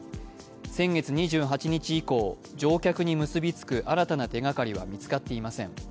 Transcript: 先月２８日以降、乗客に結びつく新たな手がかりは見つかっていません。